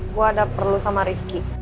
gue ada perlu sama rifki